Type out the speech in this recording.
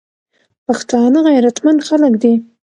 پښتانه غیرتمن خلک دي.